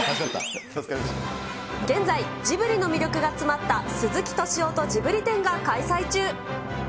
現在、ジブリの魅力が詰まった鈴木敏夫とジブリ展が開催中。